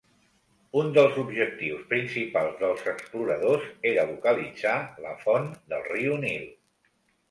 Un dels objectius principals dels exploradors era localitzar la font del riu Nil.